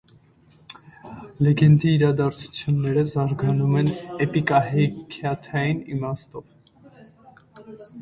Լեգենդի իրադարձությունները զարգանում են էպիկահեքիաթային իմաստով։